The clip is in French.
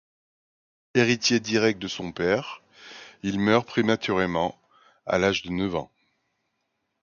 Héritier direct de son père, il meurt prématurément, à l'âge de neuf ans.